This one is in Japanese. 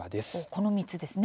この３つですね。